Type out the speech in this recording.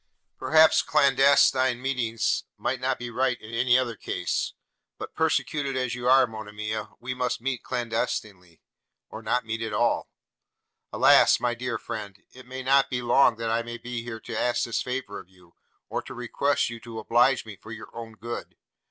Perhaps clandestine meetings might not be right in any other case; but, persecuted as you are, Monimia, we must meet clandestinely, or not meet at all. Alas! my dear friend, it may not be long that I may be here to ask this favour of you, or to request you to oblige me for your own good.